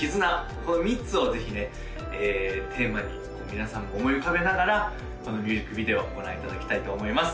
この３つをぜひねテーマに皆さんも思い浮かべながらこのミュージックビデオご覧いただきたいと思います